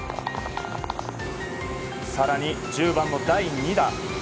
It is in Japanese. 更に、１０番の第２打。